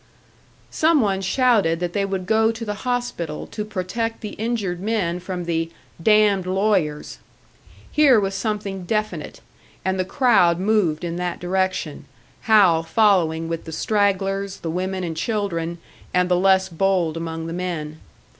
Some one shouted that they would go to the hospital to protect the injured men from the "damned lawyers." Here was something definite, and the crowd moved in that direction, Hal following with the stragglers, the women and children, and the less bold among the men.